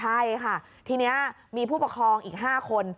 ใช่ค่ะทีนี้มีผู้ปกครองอีก๕คน